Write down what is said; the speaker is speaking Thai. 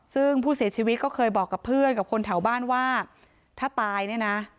ซึ่งผู้เสียชีวิตก็เคยบอกกับเพื่อนกับคนแถวบ้านว่าถ้าตายเนี่ยนะ